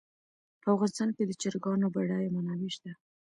په افغانستان کې د چرګانو بډایه منابع شته.